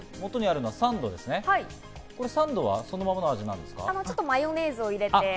サンドはそのままの味ですか？